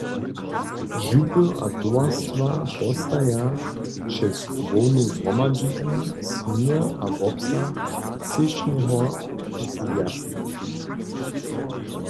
Župy a towarstwa postaja přez hłownu zhromadźiznu směr a wobsah třěšneho zwjazka.